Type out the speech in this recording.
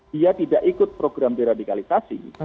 dia tidak ikut program deradikalisasi